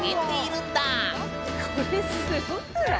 これすごくない？